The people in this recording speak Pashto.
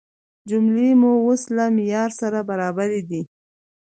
جملې مې اوس له معیار سره برابرې دي.